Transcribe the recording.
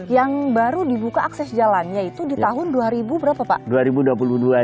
yang baru dibuka akses jalannya itu di tahun dua ribu berapa pak